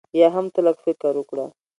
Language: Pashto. بيا هم تۀ لږ فکر وکړه